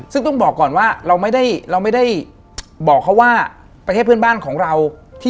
ซึ่งต้องบอกก่อนว่า